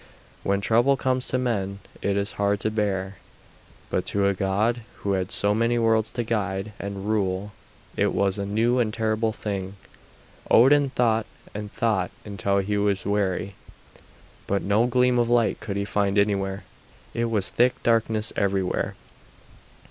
When trouble comes to men it is hard to bear, but to a god who had so many worlds to guide and rule it was a new and terrible thing. Odin thought and thought until he was weary, but no gleam of light could he find anywhere; it was thick darkness everywhere.